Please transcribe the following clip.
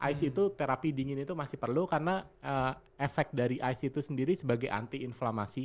ice itu terapi dingin itu masih perlu karena efek dari ice itu sendiri sebagai anti inflamasi